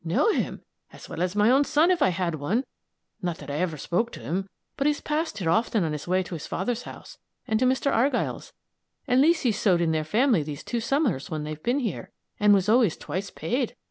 "Know him! as well as my own son if I had one! not that ever I spoke to him, but he's passed here often on his way to his father's house, and to Mr. Argyll's; and Leesy sewed in their family these two summers when they've been here, and was always twice paid.